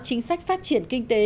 chính sách phát triển kinh tế